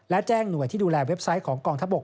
และแจ้งหน่วยที่ดูแลเว็บไซต์ของกองทัพบก